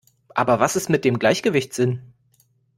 Aber was ist mit dem Gleichgewichtssinn?